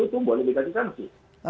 itu boleh dikasih tangsi